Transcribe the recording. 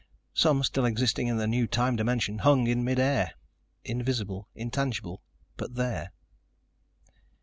Some, still existing in their new time dimension, hung in mid air, invisible, intangible, but there.